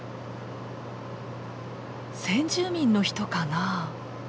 先住民の人かな？